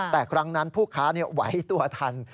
แต่ครั้งนั้นผู้ค้าไหวตัวทัน